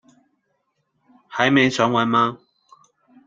還沒傳完嗎？